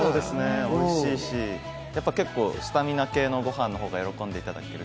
おいしいし、スタミナ系のごはんのほうが喜んでいただける。